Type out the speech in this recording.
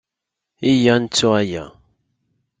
Iyya ad nettu aya.